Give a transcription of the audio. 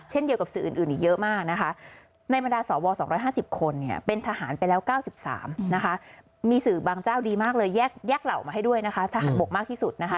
อหม่ามเป็นแล้ว๙๓นะคะมีสื่อบางเจ้าดีมากเลยแยกแยกเหล่ามาให้ด้วยนะคะทหารมกมากที่สุดนะคะ